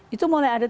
itu mulai ada tekanan